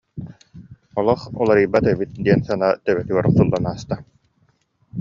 Олох уларыйбат эбит диэн санаа төбөтүгэр охсуллан ааста